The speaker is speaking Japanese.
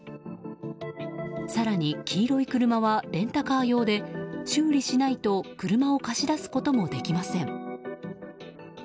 更に黄色い車はレンタカー用で修理しないと車を貸し出すこともできません。